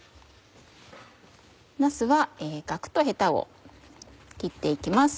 なすはガクとヘタを切って行きます。